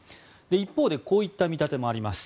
一方でこういった見立てもあります。